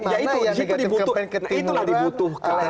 negatif kampanye ke timuran